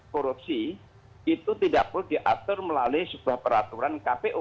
korupsi itu tidak perlu diatur melalui sebuah peraturan kpu